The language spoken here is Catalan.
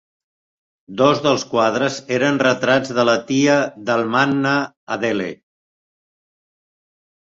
Dos dels quadres eren retrats de la tia d'Altmannha, Adele.